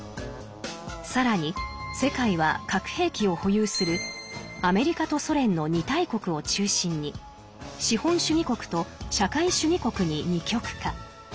更に世界は核兵器を保有するアメリカとソ連の２大国を中心に資本主義国と社会主義国に二極化。